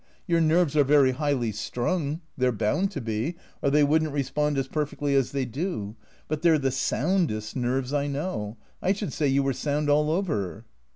Your nerves are very highly strung — they 're bound to be, or they would n't respond as perfectly as they do — but they 're the soundest nerves I know. I should say you were sound all over."